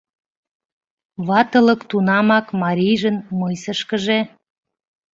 Ватылык тунамак марийжын мыйсышкыже.